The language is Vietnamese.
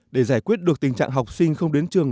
để giải quyết được tình trạng học sinh không đến trường